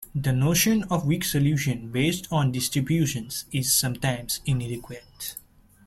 The notion of weak solution based on distributions is sometimes inadequate.